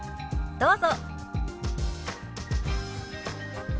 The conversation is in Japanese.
どうぞ。